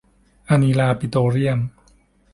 อานีลาปิโตรเลียม